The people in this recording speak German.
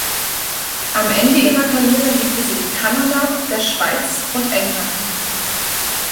Am Ende ihrer Karriere lebte sie in Kanada, der Schweiz und England.